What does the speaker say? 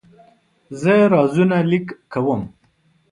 زه روزانه لیک کوم.